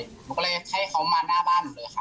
หนูก็เลยให้เขามาหน้าบ้านหนูเลยค่ะ